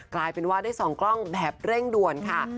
กลายเป็นว่าได้ส่องกล้องแบบเร่งด่วนค่ะ